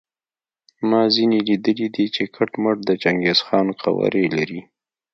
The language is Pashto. ما ځینې لیدلي دي چې کټ مټ د چنګیز خان قوارې لري.